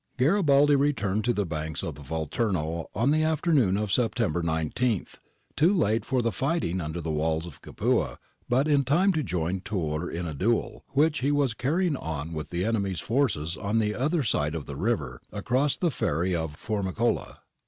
"^ Garibaldi returned to the banks of the Volturno on the afternoon of September 19, too late for the fighting under the walls of Capua, but in time to join Tiirr in a duel, which he was carrying on with the enemy's forces on the other side of the river, across the ferry of Formi cola.